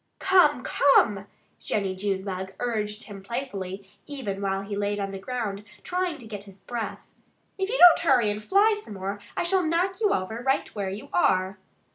"Come! Come!" Jennie Junebug urged him playfully, even while he lay on the ground trying to get his breath. "If you don't hurry and fly some more I shall knock you over right where you are!"